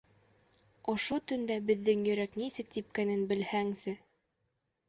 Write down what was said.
Ошо төндә беҙҙең йөрәк нисек типкәнен белһәңсе?!